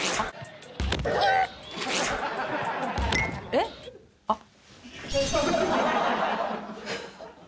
えっ？あっ。